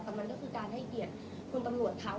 แต่มันก็คือการให้เกียรติคุณตำรวจเขา